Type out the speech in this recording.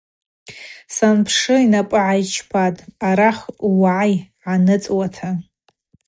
Санпшы йнапӏы гӏайчпатӏ – арахь угӏай гӏаныцӏуата.